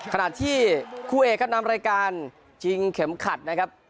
ขนาดที่คู่เอกนำรายการจริงเข็มขัดนะครับ